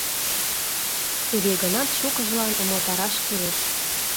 Туге гынат шукыжлан умылтараш кӱлеш.